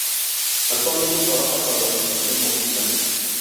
Actualmente trabaja para la Fundación Mozilla.